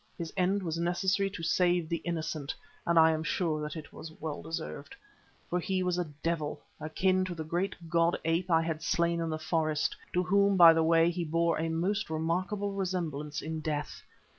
His end was necessary to save the innocent and I am sure that it was well deserved. For he was a devil, akin to the great god ape I had slain in the forest, to whom, by the way, he bore a most remarkable resemblance in death.